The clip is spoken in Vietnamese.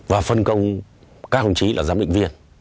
và phân công các công trí là giám định viên